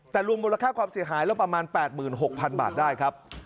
แต่รวมมูลค่าความเสียหายแล้วประมาณ๘๖๐๐๐บาทได้ครับ